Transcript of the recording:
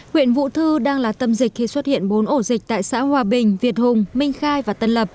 huyện vũ thư đang là tâm dịch khi xuất hiện bốn ổ dịch tại xã hòa bình việt hùng minh khai và tân lập